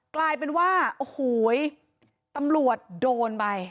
กลายเป็นว่าโอ้โหตำรวจโดนไป